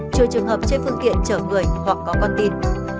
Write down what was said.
trừ trường hợp trên phương tiện chở người hoặc có con tin